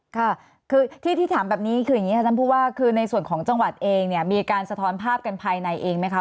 ค่ะคือที่ถามแบบนี้คืออย่างนี้ค่ะท่านผู้ว่าคือในส่วนของจังหวัดเองเนี่ยมีการสะท้อนภาพกันภายในเองไหมคะ